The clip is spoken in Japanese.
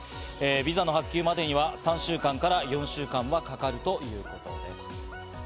ビザの発給までには３週間から４週間はかかるということです。